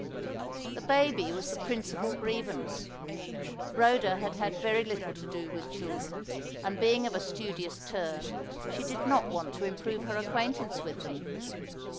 The baby was the principal grievance. Rhoda had had very little to do with children; and being of a studious turn, she did not want to improve her acquaintance with them.